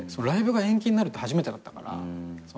ライブが延期になるって初めてだったから。